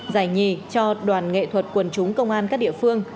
giải nhì cho đoàn nghệ thuật quần chúng công an các địa phương